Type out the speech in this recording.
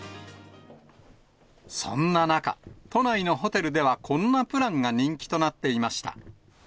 そんな中、都内のホテルではこんなプランが人気となっていました。